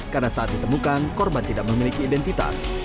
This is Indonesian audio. karena saat ditemukan korban tidak memiliki identitas